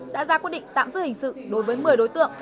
đã ra quyết định tạm giữ hình sự đối với một mươi đối tượng